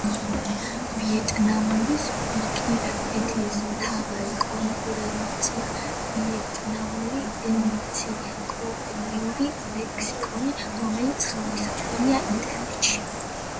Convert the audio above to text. ვიეტნამური ვიკიპედიის მთავარი კონკურენტია ვიეტნამური ენციკლოპედიური ლექსიკონი, რომელიც ხელმისაწვდომია ინტერნეტში.